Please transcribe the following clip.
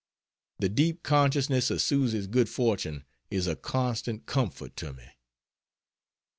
The deep consciousness of Susy's good fortune is a constant comfort to me.